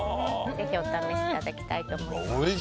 ぜひお試しいただきたいと思います。